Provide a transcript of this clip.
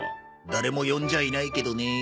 誰も呼んじゃいないけどね。